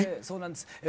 そうなんです。